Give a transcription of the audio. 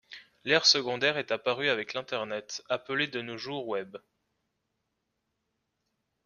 L’ère secondaire est apparue avec l’internet, appelé de nos jours Web.